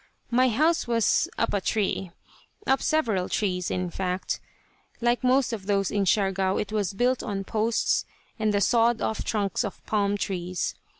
My house was "up a tree." Up several trees, in fact. Like most of those in Siargao it was built on posts and the sawed off trunks of palm trees.